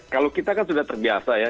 kalau kita kan sudah terbiasa ya